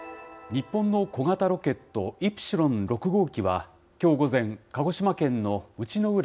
日本の小型ロケット、イプシロン６号機は、きょう午前、鹿児島県の内之浦